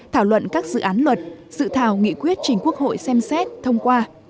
thảo luận các dự án luật dự thảo nghị quyết trình quốc hội xem xét thông qua